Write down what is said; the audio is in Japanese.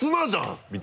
みたいな。